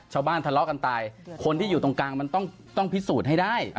ทะเลาะกันตายคนที่อยู่ตรงกลางมันต้องพิสูจน์ให้ได้